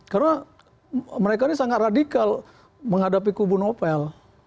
karena mereka ini sangat radikal menghadapi kubu nopel